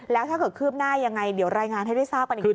แล้วถ้าเกิดคืบหน้ายังไงเดี๋ยวรายงานให้ได้ทราบกันอีกที